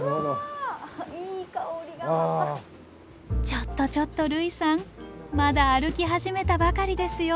ちょっとちょっと類さんまだ歩き始めたばかりですよ。